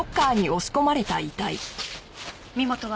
身元は？